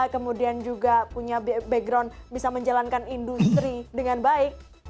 kemudian juga punya background bisa menjalankan industri dengan baik